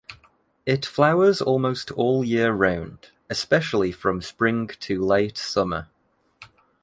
It flowers almost all year round, especially from spring to late summer.